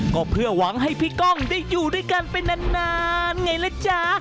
ก็เพื่อหวังให้พี่ก้องได้อยู่ด้วยกันไปนานไงล่ะจ๊ะ